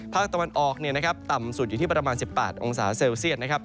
ภาคตะวันออกต่ำสุดอยู่ที่ประมาณ๑๘องศาเซลเซียตนะครับ